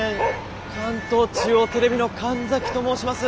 関東中央テレビの神崎と申します。